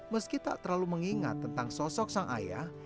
meski tak terlalu mengingat tentang sosok sang ayah